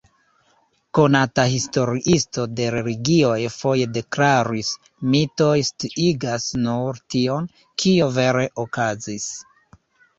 Konata historiisto de religioj foje deklaris: "Mitoj sciigas nur tion, kio vere okazis.